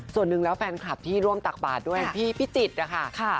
ส่วนหนึ่งแล้วแฟนคลับที่ร่วมตักบาทด้วยพี่พิจิตรนะคะ